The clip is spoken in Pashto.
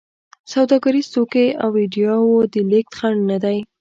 سوداګریز توکي او ایډیاوو د لېږد خنډ نه دی.